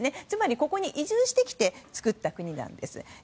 つまりここに移住してきて作った国なんです。